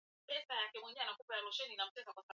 amri ilitambua kuwa hatima ya meli hiyo ilikuwa mwishoni